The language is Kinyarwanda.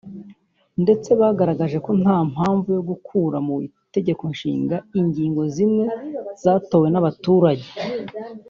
ndetse bagaragaje ko nta mpamvu yo gukura mu itegeko nshinga ingingo zimwe zatowe n’abaturage